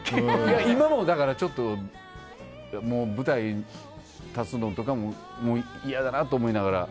今も、舞台立つのとかも嫌だなと思いながら。